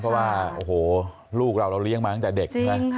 เพราะว่าโอ้โหลูกเราเรียงมาตั้งแต่เด็ก